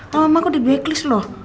lama lama aku di backlist loh